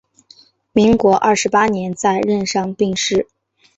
民国二十八年在任上病逝。